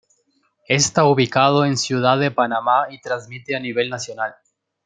Esta ubicado en Ciudad de Panamá y transmite a nivel nacional.